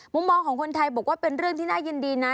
มุมมองของคนไทยบอกว่าเป็นเรื่องที่น่ายินดีนะ